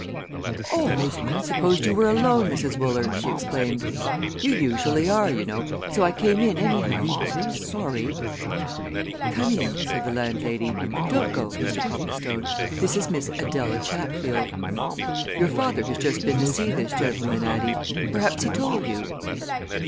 "Oh! I supposed you were alone, Mrs. Wooler," she exclaimed. "You usually are, you know, so I came in anyhow sorry!" "Come in," said the landlady. "Don't go, Mr. Copplestone. This is Miss Adela Chatfield. Your father has just been to see this gentleman, Addie perhaps he told you?"